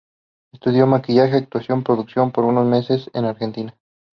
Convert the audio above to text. Estudió maquillaje, actuación y producción por unos meses en Argentina.